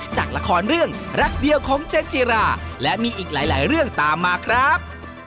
จากละครเรื่องรักเดียวของเจนจิราและมีอีกหลายเรื่องตามมาครับ